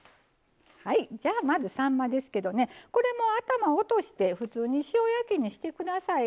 はいじゃあまずさんまですけどこれもう頭を落として普通に塩焼きにして下さい。